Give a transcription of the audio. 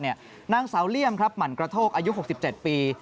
นางสาวเลี่ยมครับหมั่นกระโทกอายุ๖๗ปี